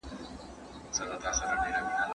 هغه څوک چې منډه وهي قوي کېږي!